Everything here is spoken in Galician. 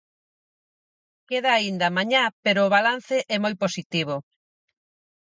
Queda aínda mañá pero o balance é moi positivo.